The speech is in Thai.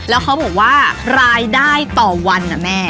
แล้วเขาบอกว่ารายได้ต่อวันนะแม่